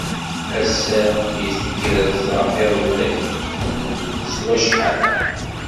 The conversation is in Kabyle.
Assa i tgerrez ɣef yiḍelli s wacḥal.